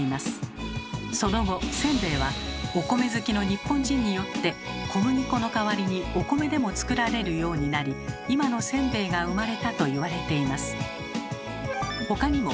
その後せんべいはお米好きの日本人によって小麦粉の代わりにお米でも作られるようになり今のせんべいが生まれたと言われています。